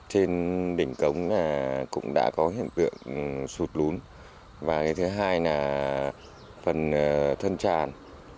trên đỉnh cống cũng đã có hiện tượng sụt lún và thứ hai là phần thân tràn